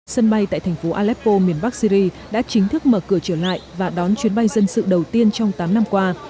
sân bay tại thành phố aleppo miền bắc syri đã chính thức mở cửa trở lại và đón chuyến bay dân sự đầu tiên trong tám năm qua